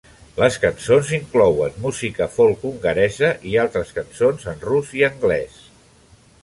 Les cançons inclouen música folk hongaresa i altres cançons en rus i anglès.